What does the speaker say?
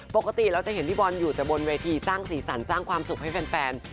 ปกติเราจะเห็นพี่บอลอยู่แต่บนเวทีสร้างสีสันสร้างความสุขให้แฟน